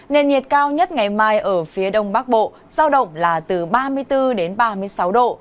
nền nhiệt cao nhất ngày mai ở phía đông bắc bộ giao động là từ ba mươi bốn ba mươi sáu độ